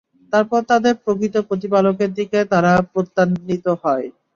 তারপর তাদের প্রকৃত প্রতিপালকের দিকে তারা প্রত্যানীত হয়।